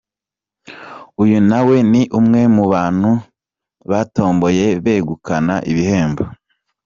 Uyu nawe ni umwe mu bantu batomboye begukana ibihembo.